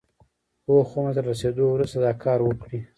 پوخ عمر ته له رسېدو وروسته دا کار وکړي.